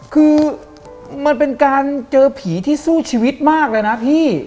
คือมันเป็นการเจอผีที่สู้ชีวิตมากเลยนะพี่